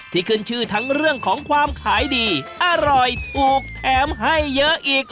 ขึ้นชื่อทั้งเรื่องของความขายดีอร่อยถูกแถมให้เยอะอีก